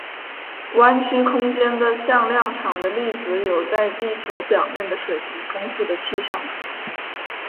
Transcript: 弯曲空间的向量场的例子有在地球表面的水平风速的气象图。